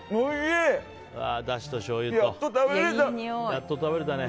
やっと食べれた。